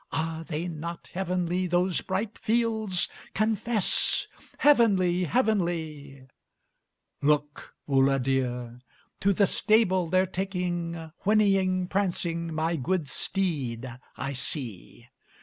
Are they not heavenly those bright fields? Confess!" Heavenly! Heavenly! Look, Ulla dear! To the stable they're taking Whinnying, prancing, my good steed, I see.